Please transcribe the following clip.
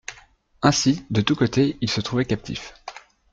Ainsi de tous côtés il se trouvait captif.